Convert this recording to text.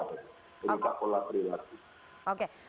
merupakan pola pribadi